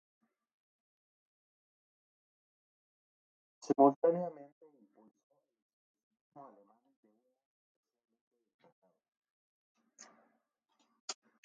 Simultáneamente impulsó el expresionismo alemán de un modo especialmente destacado.